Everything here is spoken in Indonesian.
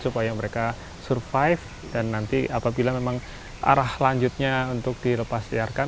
supaya mereka survive dan nanti apabila memang arah lanjutnya untuk dilepas liarkan